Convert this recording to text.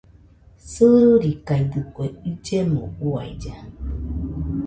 Sɨririkaidɨkue illemo uailla.